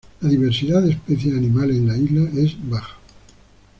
La diversidad de especies animales en las islas es baja.